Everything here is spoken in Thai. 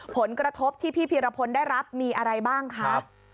ผลกระทบที่พี่พีรพลได้รับมีอะไรบ้างคะ